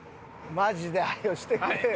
マジで早うしてくれよ。